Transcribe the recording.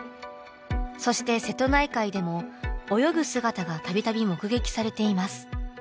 そして瀬戸内海でも泳ぐ姿が度々目撃されています。